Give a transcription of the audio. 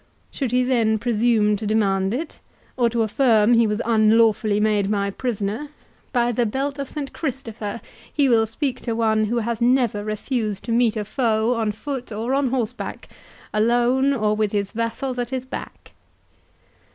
Should he then presume to demand it, or to affirm he was unlawfully made my prisoner, by the belt of Saint Christopher, he will speak to one who hath never refused to meet a foe on foot or on horseback, alone or with his vassals at his back!"